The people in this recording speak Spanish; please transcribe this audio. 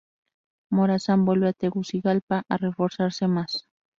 Morazán vuelve a Tegucigalpa a reforzarse más.